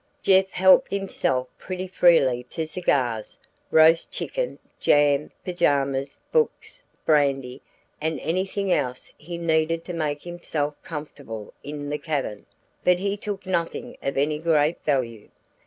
"Jeff helped himself pretty freely to cigars, roast chickens, jam, pajamas, books, brandy, and anything else he needed to make himself comfortable in the cabin, but he took nothing of any great value.